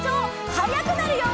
はやくなるよ！」